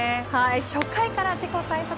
初回から自己最速